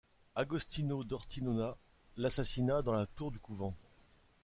Agostino d'Ortinola l'assassina dans la tour du couvent.